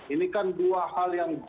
ini kan dua hal yang